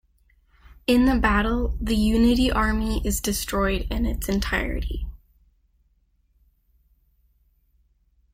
In the battle, the Unity Army is destroyed in its entirety.